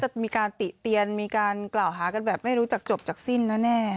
จะมีการติเตียนมีการกล่าวหากันแบบไม่รู้จักจบจากสิ้นแน่